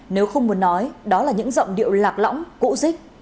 nếu không muốn nói đó là những giọng điệu lạc lõng cụ dích